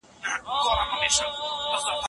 هغه د خپل هېواد د وقار لپاره هلې ځلې وکړې.